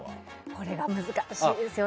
これが難しいんですよね。